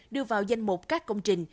đưa vào danh một các công trình